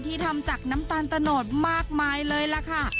ทำจากน้ำตาลตะโนดมากมายเลยล่ะค่ะ